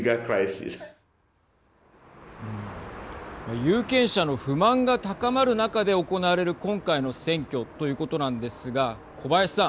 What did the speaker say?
有権者の不満が高まる中で行われる今回の選挙ということなんですが小林さん。